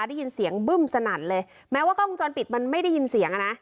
ได้ยินเสียงบึ้มสนั่นเลยแม้ว่ากล้องวงจรปิดมันไม่ได้ยินเสียงอ่ะนะ